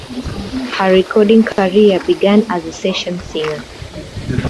Her recording career began as a session singer.